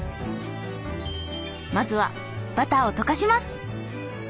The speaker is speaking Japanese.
まずはバターを溶かします。